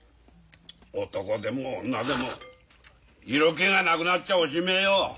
男でも女でも色気がなくなっちゃおしめえよ。